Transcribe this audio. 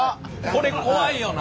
これ怖いよな。